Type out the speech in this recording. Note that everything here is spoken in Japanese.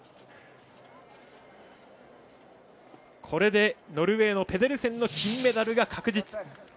これでノルウェーのペデルセンの金メダルが確実。